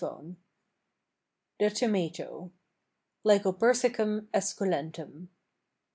] THE TOMATO. (_Lycopersicum esculentum.